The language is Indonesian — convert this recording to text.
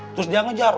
terus dia ngejar